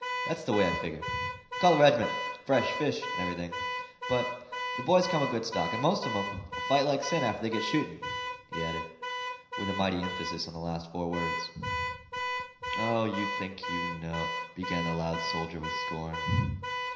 That's the way I figger. They call the reg'ment 'Fresh fish' and everything; but the boys come of good stock, and most of 'em 'll fight like sin after they oncet git shootin'," he added, with a mighty emphasis on the last four words. "Oh, you think you know—" began the loud soldier with scorn.